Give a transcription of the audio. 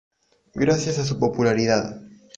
Gracias a su popularidad.